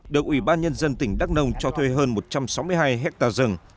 được ủy ban nhân dân tỉnh đắk nông cho thuê hơn một trăm sáu mươi hai hectare rừng